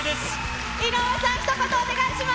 井上さん、ひと言お願いしま